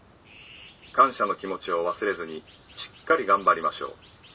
感謝の気持ちを忘れずにしっかり頑張りましょう」。